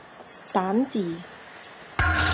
蛋治